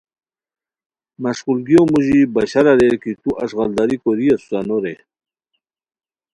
مشقولگیو موژی بشار اریر کی تو اݱغالداری کوری اسو سہ نو رے